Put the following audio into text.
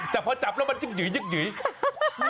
แต่พอจับแล้วมันยึก